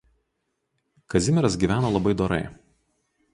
Kazimieras gyveno labai dorai.